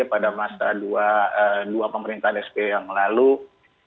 pada masa dua pemerintahan sby yang melalui